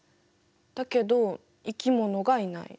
だけど生き物がいない。